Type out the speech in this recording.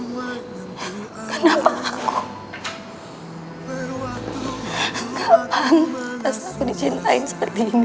kenapa aku tak selalu di cintain seperti ini